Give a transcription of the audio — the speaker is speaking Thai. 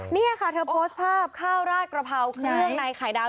นี่ค่ะเธอโพสต์ภาพข้าวราดกระเพราเครื่องในไข่ดาว